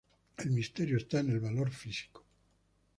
El misterio está en el valor físico.